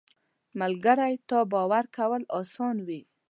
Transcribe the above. ملګری ته باور کول اسانه وي